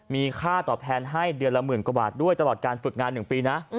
มีค่าตอบแทนให้เดือนละหมื่นกว่าบาทด้วยตลอดการฝึกงาน๑ปีนะ